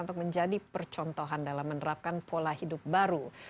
untuk menjadi percontohan dalam menerapkan pola hidup baru